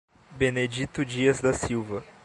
Benedito Dias da Silva